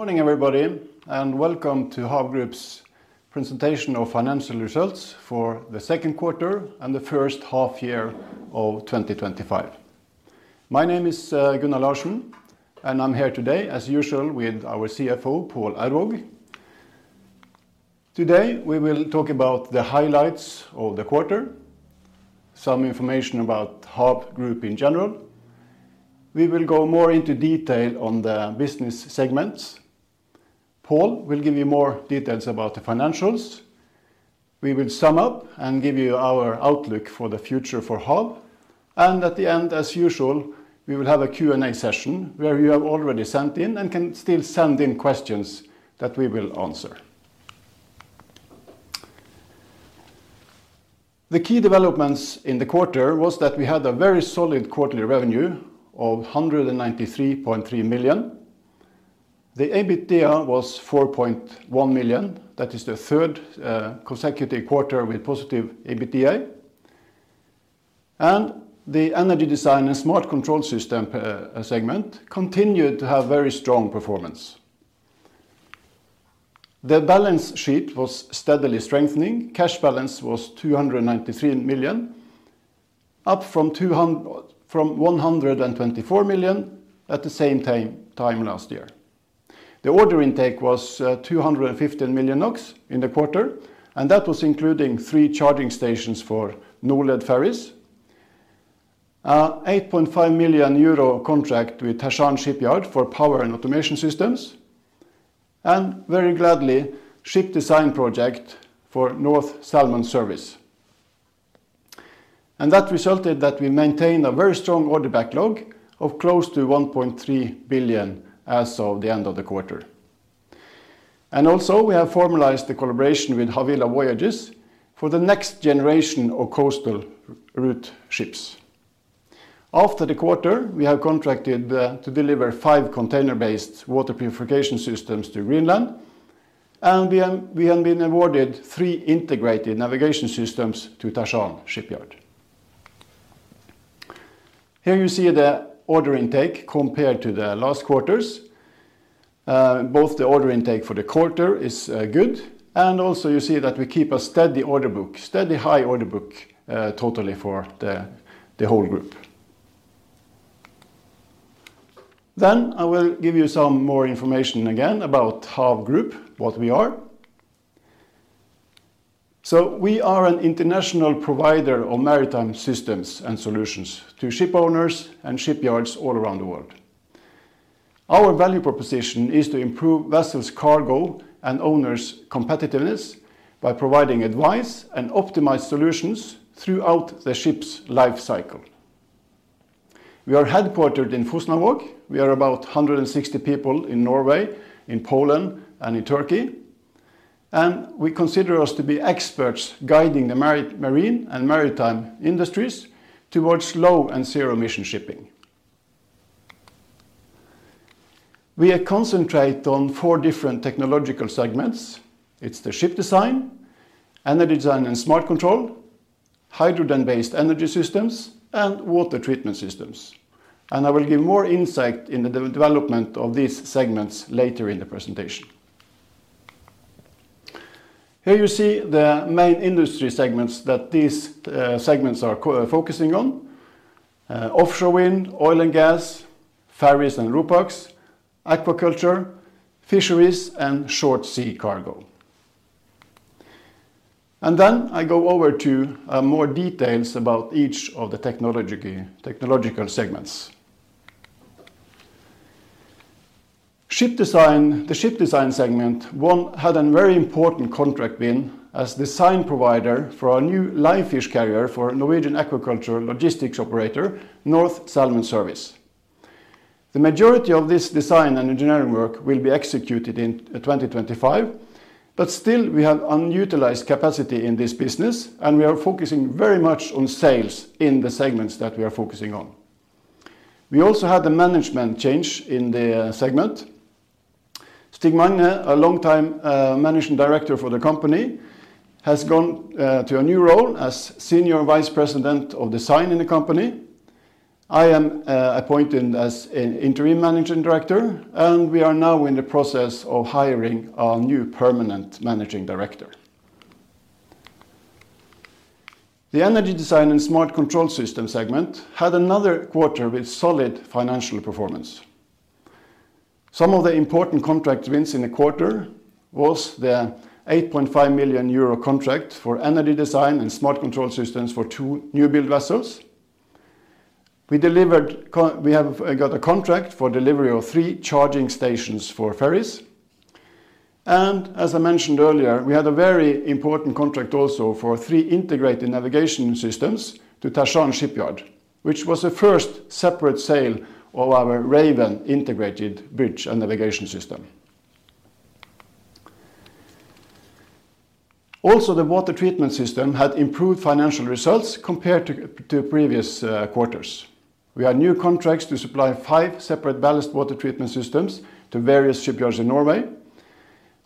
Morning, everybody, and welcome to HAV Group's Presentation of Financial Results for the Second Quarter and the First Half-Year of 2025. My name is Gunnar Larsen, and I'm here today, as usual, with our CFO, Pål Aurvåg. Today, we will talk about the highlights of the quarter, some information about HAV Group in general. We will go more into detail on the business segments. Pål will give you more details about the financials. We will sum up and give you our outlook for the future for HAV. At the end, as usual, we will have a Q&A session where you have already sent in and can still send in questions that we will answer. The key developments in the quarter were that we had a very solid quarterly revenue of 193.3 million. The EBITDA was 4.1 million. That is the third consecutive quarter with positive EBITDA. The energy design and smart control systems segment continued to have very strong performance. The balance sheet was steadily strengthening. Cash balance was 293 million, up from 124 million at the same time last year. The order intake was 215 million NOK in the quarter, and that was including three charging stations for Norled ferries, an 8.5 million euro contract with Hassan Shipyard for power and automation systems, and, very gladly, a ship design project for North Salmon Service. That resulted in that we maintained a very strong order backlog of close to 1.3 billion as of the end of the quarter. Also, we have formalized the collaboration with Havila Voyages for the next generation of coastal route ships. After the quarter, we have contracted to deliver five container-based water purification systems to Greenland. We have been awarded three integrated navigation systems to Hassan Shipyard. Here you see the order intake compared to the last quarters. Both the order intake for the quarter is good. Also, you see that we keep a steady order book, a steady high order book totally for the whole group. I will give you some more information again about HAV Group, what we are. We are an international provider of maritime systems and solutions to shipowners and shipyards all around the world. Our value proposition is to improve vessels, cargo, and owners' competitiveness by providing advice and optimized solutions throughout the ship's life cycle. We are headquartered in Fosnavåg. We are about 160 people in Norway, in Poland, and in Turkey. We consider ourselves to be experts guiding the marine and maritime industries towards low and zero-emission shipping. We concentrate on four different technological segments: ship design, energy design and smart control, hydrogen-based energy systems, and water treatment systems. I will give more insight into the development of these segments later in the presentation. Here you see the main industry segments that these segments are focusing on: offshore wind, oil and gas, ferries and roof docks, aquaculture, fisheries, and short sea cargo. I go over to more details about each of the technological segments. Ship design, the ship design segment had a very important contract win as the design provider for our new live fish carrier for Norwegian aquaculture logistics operator, North Salmon Service. The majority of this design and engineering work will be executed in 2025. We have unutilized capacity in this business, and we are focusing very much on sales in the segments that we are focusing on. We also had a management change in the segment. Stig Magne, a long-time Managing Director for the company, has gone to a new role as Senior Vice President of Design in the company. I am appointed as an Interim Managing Director, and we are now in the process of hiring our new permanent Managing Director. The energy design and smart control systems segment had another quarter with solid financial performance. Some of the important contract wins in the quarter were the 8.5 million euro contract for energy design and smart control systems for two new build vessels. We have got a contract for delivery of three charging stations for ferries. As I mentioned earlier, we had a very important contract also for three integrated navigation systems to Hassan Shipyard, which was the first separate sale of our Raven integrated bridge and navigation system. The water treatment system had improved financial results compared to previous quarters. We had new contracts to supply five separate ballast water treatment systems to various shipyards in Norway.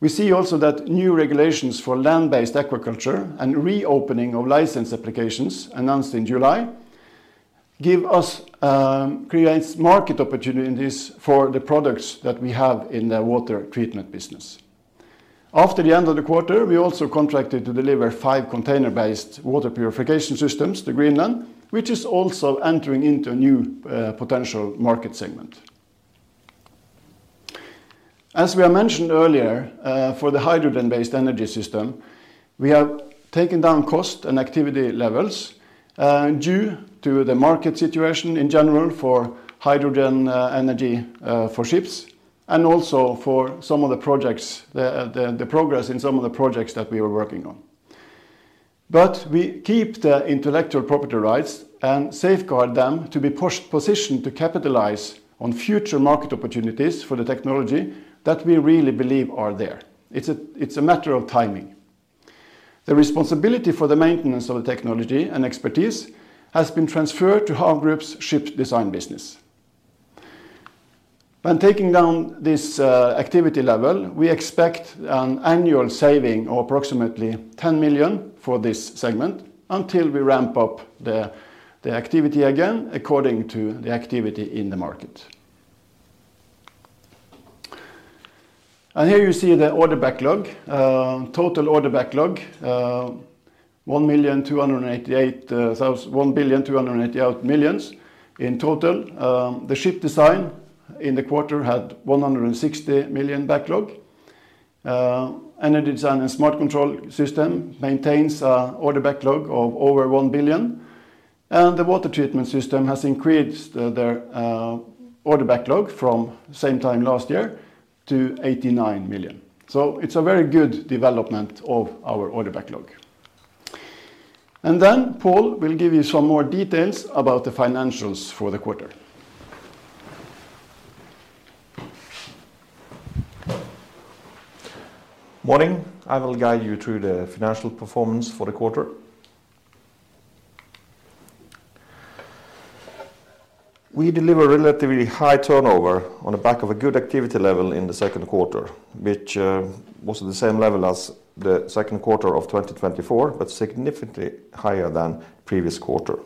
We see also that new regulations for land-based aquaculture and reopening of license applications announced in July create market opportunities for the products that we have in the water treatment business. After the end of the quarter, we also contracted to deliver five container-based water purification systems to Greenland, which is also entering into a new potential market segment. As we mentioned earlier, for the hydrogen-based energy system, we have taken down cost and activity levels due to the market situation in general for hydrogen energy for ships and also for some of the projects, the progress in some of the projects that we were working on. We keep the intellectual property rights and safeguard them to be positioned to capitalize on future market opportunities for the technology that we really believe are there. It's a matter of timing. The responsibility for the maintenance of the technology and expertise has been transferred to HAV Group's ship design business. When taking down this activity level, we expect an annual saving of approximately 10 million for this segment until we ramp up the activity again according to the activity in the market. Here you see the order backlog, total order backlog, 1.288 billion in total. The ship design in the quarter had 160 million backlog. Energy design and smart control systems maintains an order backlog of over 1 billion. The water treatment system has increased their order backlog from the same time last year to 89 million. It is a very good development of our order backlog. Pål will give you some more details about the financials for the quarter. Morning. I will guide you through the financial performance for the quarter. We delivered a relatively high turnover on the back of a good activity level in the second quarter, which was at the same level as the second quarter of 2024, but significantly higher than the previous quarter.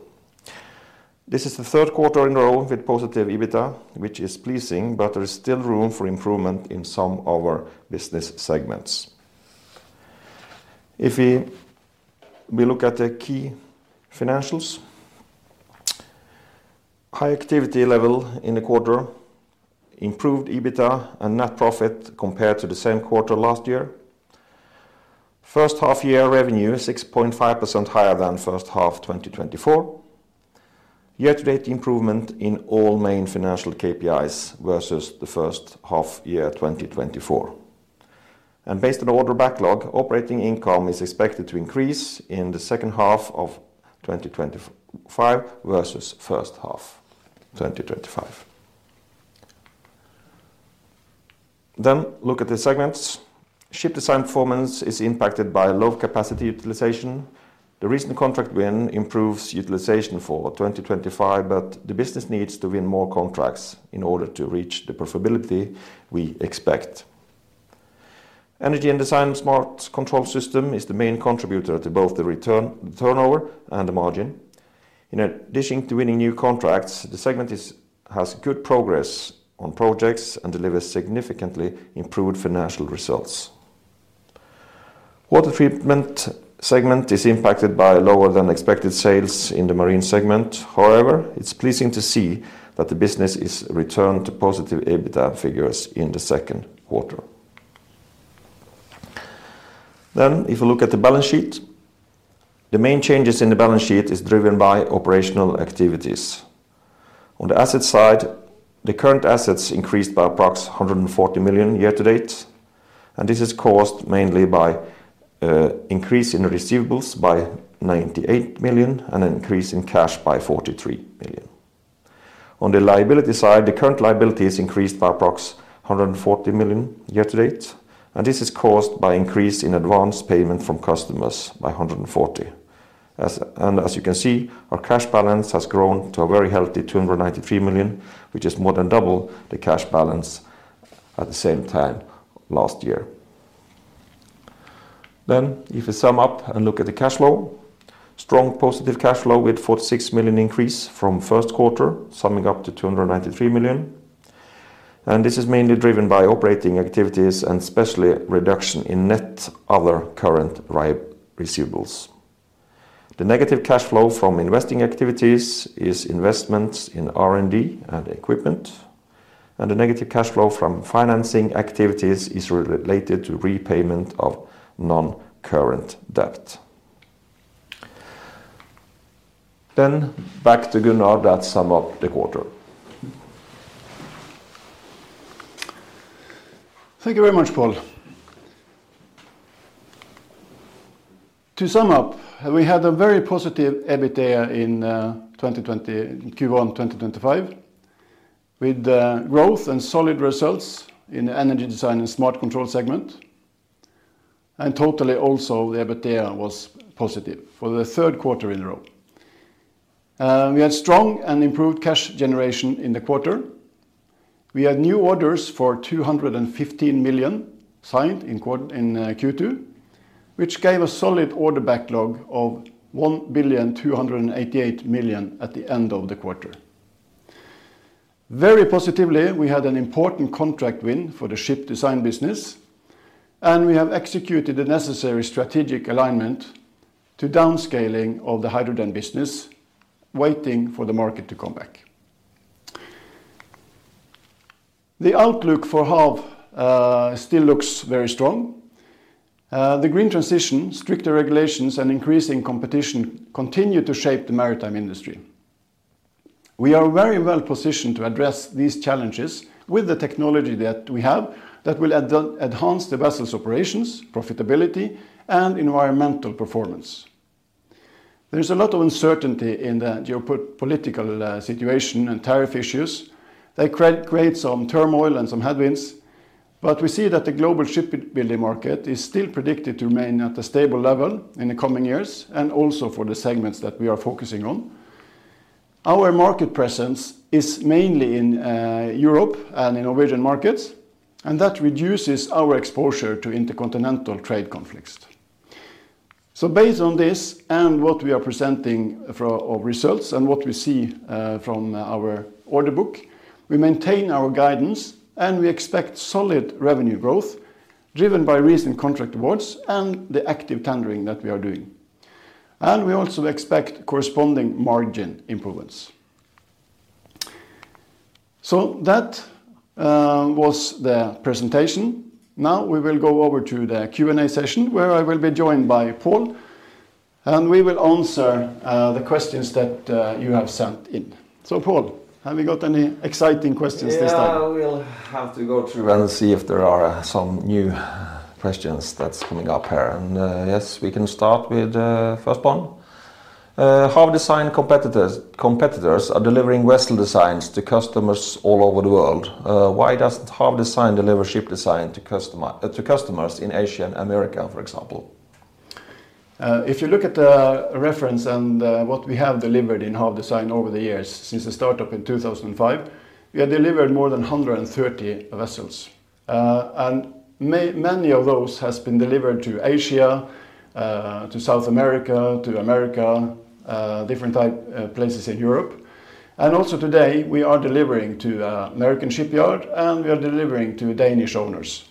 This is the third quarter in a row with positive EBITDA, which is pleasing, but there is still room for improvement in some of our business segments. If we look at the key financials, high activity level in the quarter, improved EBITDA and net profit compared to the same quarter last year. First half-year revenue is 6.5% higher than first half 2024. Year to date, improvement in all main financial KPIs versus the first half-year 2024. Based on the order backlog, operating income is expected to increase in the second half of 2025 versus the first half of 2025. Looking at the segments, ship design performance is impacted by low capacity utilization. The recent contract win improves utilization for 2025, but the business needs to win more contracts in order to reach the profitability we expect. Energy design and smart control systems is the main contributor to both the return turnover and the margin. In addition to winning new contracts, the segment has good progress on projects and delivers significantly improved financial results. The water treatment segment is impacted by lower than expected sales in the marine segment. However, it's pleasing to see that the business has returned to positive EBITDA figures in the second quarter. If we look at the balance sheet, the main changes in the balance sheet are driven by operational activities. On the asset side, the current assets increased by approximately 140 million year to date. This is caused mainly by an increase in receivables by 98 million and an increase in cash by 43 million. On the liability side, the current liability has increased by approximately 140 million year to date. This is caused by an increase in advance payment from customers by 140 million. As you can see, our cash balance has grown to a very healthy 293 million, which is more than double the cash balance at the same time last year. To sum up and look at the cash flow, strong positive cash flow with a 46 million increase from the first quarter, summing up to 293 million. This is mainly driven by operating activities and especially a reduction in net other current receivables. The negative cash flow from investing activities is investments in R&D and equipment. The negative cash flow from financing activities is related to repayment of non-current debt. Back to Gunnar to sum up the quarter. Thank you very much, Pål. To sum up, we had a very positive EBITDA in Q1 2025, with growth and solid results in the energy design and smart control segment. Totally, also, the EBITDA was positive for the third quarter in a row. We had strong and improved cash generation in the quarter. We had new orders for 215 million signed in Q2, which gave a solid order backlog of 1.288 billion at the end of the quarter. Very positively, we had an important contract win for the ship design business. We have executed the necessary strategic alignment to downscaling of the hydrogen business, waiting for the market to come back. The outlook for HAV still looks very strong. The green transition, stricter regulations, and increasing competition continue to shape the maritime industry. We are very well positioned to address these challenges with the technology that we have that will enhance the vessel's operations, profitability, and environmental performance. There is a lot of uncertainty in the geopolitical situation and tariff issues. They create some turmoil and some headwinds. We see that the global shipbuilding market is still predicted to remain at a stable level in the coming years, and also for the segments that we are focusing on. Our market presence is mainly in Europe and in Norwegian markets. That reduces our exposure to intercontinental trade conflicts. Based on this and what we are presenting of results and what we see from our order book, we maintain our guidance and we expect solid revenue growth driven by recent contract awards and the active tendering that we are doing. We also expect corresponding margin improvements. That was the presentation. Now, we will go over to the Q&A session where I will be joined by Pål and we will answer the questions that you have sent in. Pål, have we got any exciting questions this time? We have to go through and see if there are some new questions that's coming up here. Yes, we can start with the first one. HAV Design competitors are delivering vessel designs to customers all over the world. Why doesn't HAV Design deliver ship design to customers in Asia and America, for example? If you look at the reference and what we have delivered in HAV Design over the years, since the startup in 2005, we have delivered more than 130 vessels. Many of those have been delivered to Asia, to South America, to America, different types of places in Europe. Also today, we are delivering to American shipyards and we are delivering to Danish owners.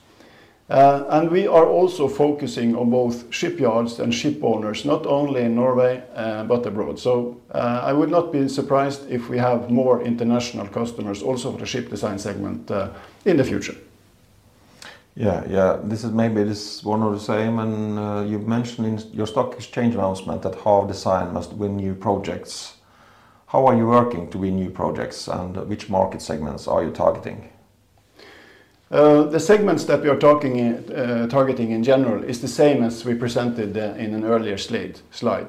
We are also focusing on both shipyards and shipowners, not only in Norway but abroad. I would not be surprised if we have more international customers also for the ship design segment in the future. This is maybe one or the same. You mentioned in your stock exchange announcement that HAV Design must win new projects. How are you working to win new projects, and which market segments are you targeting? The segments that we are targeting in general are the same as we presented in an earlier slide.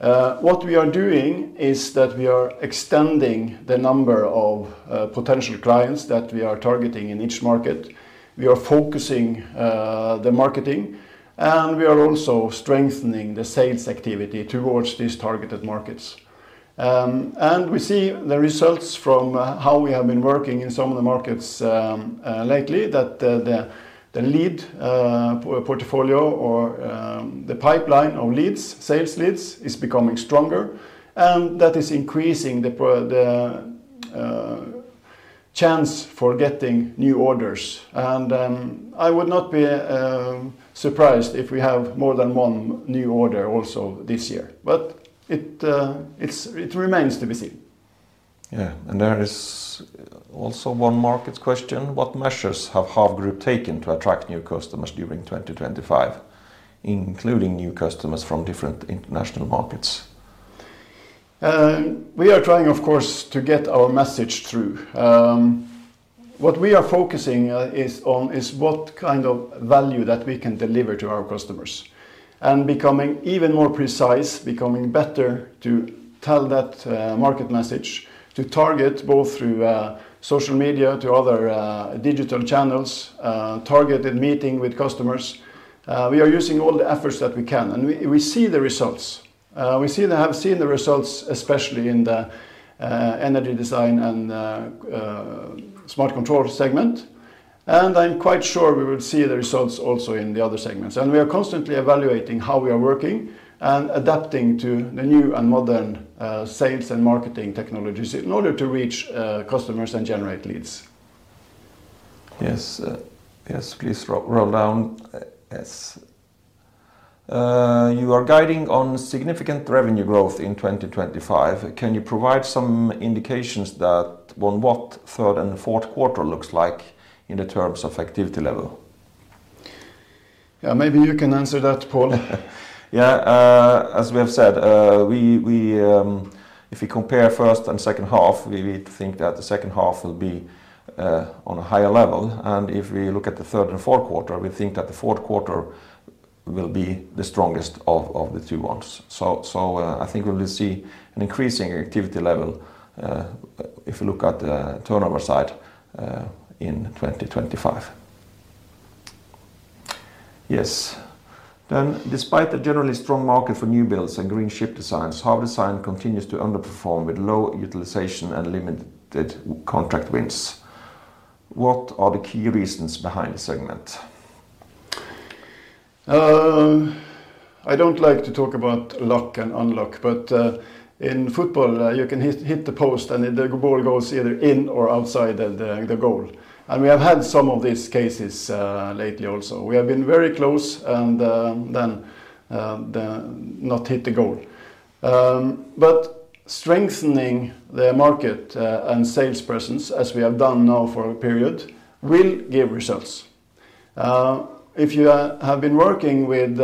What we are doing is that we are extending the number of potential clients that we are targeting in each market. We are focusing on the marketing, and we are also strengthening the sales activity towards these targeted markets. We see the results from how we have been working in some of the markets lately, that the lead portfolio or the pipeline of leads, sales leads, is becoming stronger. That is increasing the chance for getting new orders. I would not be surprised if we have more than one new order also this year. It remains to be seen. There is also one market question. What measures have HAV Group taken to attract new customers during 2025, including new customers from different international markets? We are trying, of course, to get our message through. What we are focusing on is what kind of value that we can deliver to our customers. Becoming even more precise, becoming better to tell that market message, to target both through social media, through other digital channels, targeted meeting with customers. We are using all the efforts that we can. We see the results. We have seen the results, especially in the energy design and smart control segment. I'm quite sure we will see the results also in the other segments. We are constantly evaluating how we are working and adapting to the new and modern sales and marketing technologies in order to reach customers and generate leads. Yes, please roll down. You are guiding on significant revenue growth in 2025. Can you provide some indications on what the third and fourth quarter looks like in terms of activity level? Yeah, maybe you can answer that, Pål. Yeah. As we have said, if we compare the first and second half, we think that the second half will be on a higher level. If we look at the third and fourth quarter, we think that the fourth quarter will be the strongest of the two ones. I think we will see an increasing activity level if we look at the turnover side in 2025. Yes. Despite a generally strong market for new builds and green ship designs, HAV Design continues to underperform with low utilization and limited contract wins. What are the key reasons behind the segment? I don't like to talk about luck and unluck. In football, you can hit the post and the ball goes either in or outside the goal. We have had some of these cases lately also. We have been very close and then not hit the goal. Strengthening the market and sales presence, as we have done now for a period, will give results. If you have been working with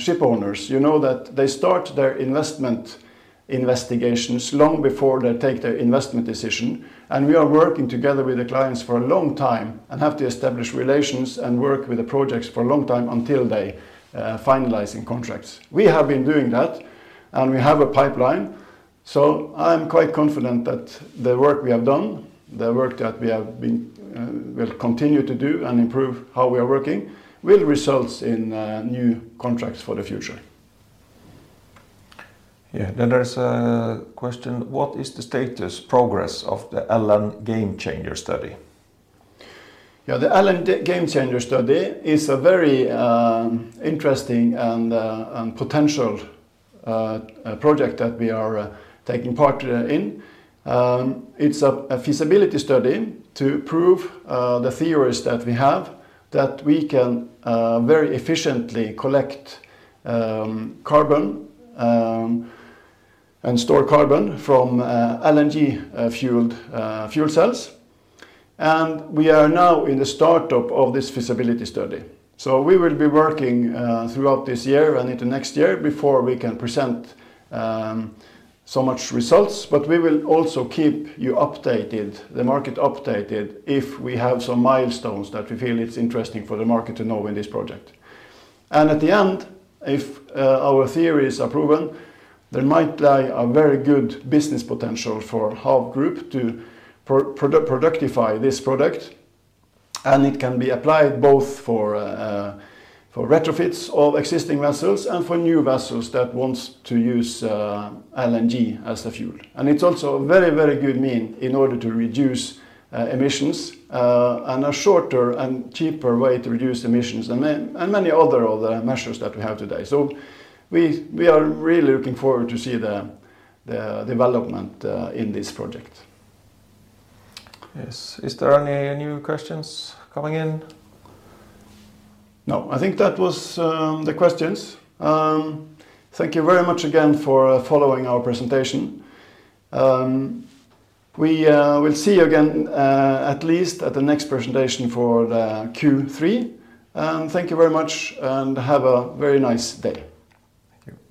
shipowners, you know that they start their investment investigations long before they take their investment decision. We are working together with the clients for a long time and have to establish relations and work with the projects for a long time until they finalize contracts. We have been doing that. We have a pipeline. I'm quite confident that the work we have done, the work that we have been, we will continue to do and improve how we are working, will result in new contracts for the future. Yeah. There's a question. What is the status progress of the LNGameChanger study? Yeah, the LNGameChanger study is a very interesting and potential project that we are taking part in. It's a feasibility study to prove the theories that we have that we can very efficiently collect carbon and store carbon from LNG-fueled fuel cells. We are now in the startup of this feasibility study. We will be working throughout this year and into next year before we can present so much results. We will also keep you updated, the market updated, if we have some milestones that we feel it's interesting for the market to know in this project. At the end, if our theories are proven, there might lie a very good business potential for HAV Group to productify this product. It can be applied both for retrofits of existing vessels and for new vessels that want to use LNG as a fuel. It's also a very, very good means in order to reduce emissions and a shorter and cheaper way to reduce emissions than many other of the measures that we have today. We are really looking forward to see the development in this project. Yes. Are there any new questions coming in? No, I think that was the questions. Thank you very much again for following our presentation. We will see you again at least at the next presentation for the Q3. Thank you very much and have a very nice day.